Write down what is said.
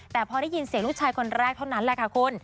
แต่พอได้ยินเสียงลูกชายคนแรกเท่านั้นแหละค่ะคุณ